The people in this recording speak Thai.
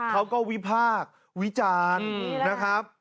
เขาก็วิพาควิจารนะครับ